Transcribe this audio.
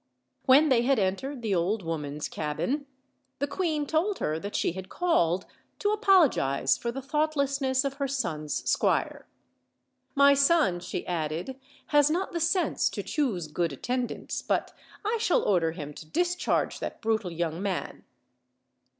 When they had entered the old woman's cabin the queen told her that she had called to apologize for the thoughtlessness of her son's squire. "My son," she added, "has not the sense to choose good attendants, but I shall order him to discharge that brutal young man."